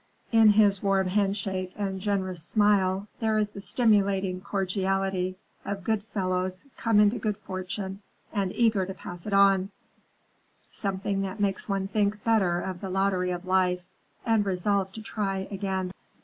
In his warm handshake and generous smile there is the stimulating cordiality of good fellows come into good fortune and eager to pass it on; something that makes one think better of the lottery of life and resolve to try again.